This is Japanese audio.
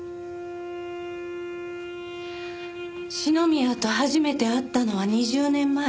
篠宮と初めて会ったのは２０年前。